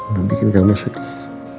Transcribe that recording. mau bikin kamu sedih